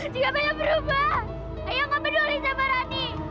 jika bayang berubah ayah nggak peduli sama rani